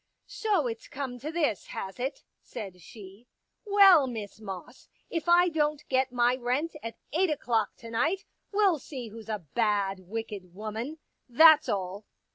" So it's come to this, has it ?" said she. " Well, Miss Moss, if I don't get my rent at eight o'clock to night, we'll see who's a bad, wicked woman — that's all."